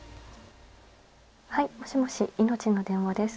はい、もしもし、いのちの電話です。